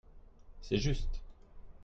C'est juste.